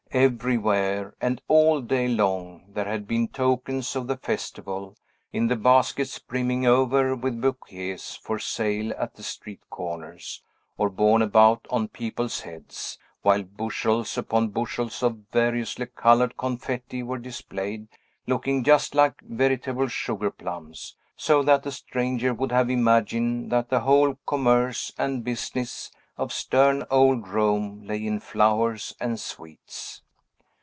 Everywhere, and all day long, there had been tokens of the festival, in the baskets brimming over with bouquets, for sale at the street corners, or borne about on people's heads; while bushels upon bushels of variously colored confetti were displayed, looking just like veritable sugar plums; so that a stranger would have imagined that the whole commerce and business of stern old Rome lay in flowers and sweets.